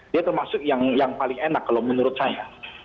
dia termasuk yang paling enak kalau menurut saya